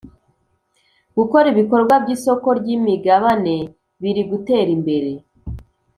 Gukora ibikorwa by ‘isoko ry’ imigabane biriguterimbere.